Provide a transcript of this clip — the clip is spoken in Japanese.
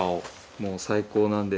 もう最高なので。